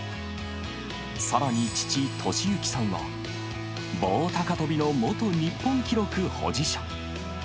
さらに父、利行さんは、棒高跳びの元日本記録保持者。